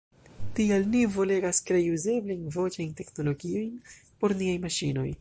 Tial ni volegas krei uzeblajn voĉajn teknologiojn por niaj maŝinoj.